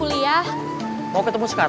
uji matahari emang kayak air kembang